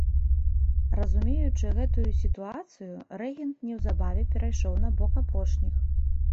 Разумеючы гэтую сітуацыю, рэгент неўзабаве перайшоў на бок апошніх.